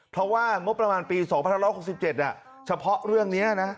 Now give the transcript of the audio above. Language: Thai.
เพราะว่างบประมาณปี๒๑๖๗เฉพาะเรื่องนี้นะ